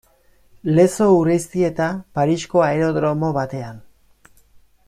Lezo Urreiztieta Parisko aerodromo batean.